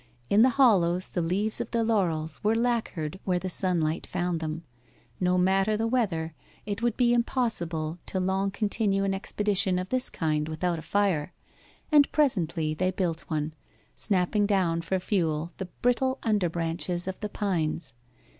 In the hollows the leaves of the laurels were lacquered where the sunlight found them. No matter the weather, it would be impossible to long continue an expedition of this kind without a fire, and presently they built one, snapping down for fuel the brittle under branches of the pines.